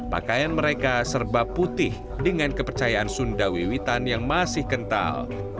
pakaian mereka serba putih dengan kepercayaan sunda wiwitan yang masih kental